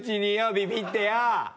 ビビってよ！